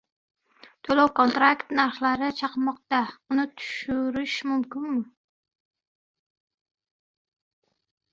To‘lov-kontrakt narxlari «chaqmoqda». Uni tushirish mumkinmi?